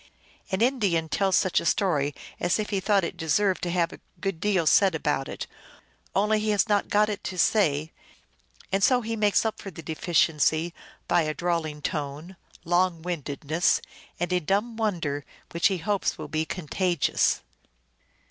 An Indian tells such a story as if he thought it deserved to have a good deal said about it, only he has not got it to say; and so he makes up for the de ficiency by a drawling tone, long windedness, and a dumb won der which he hopes will be contagious."